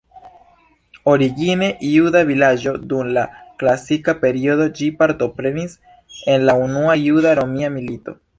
Origine juda vilaĝo dum la klasika periodo, ĝi partoprenis en la Unua Juda-Romia Milito.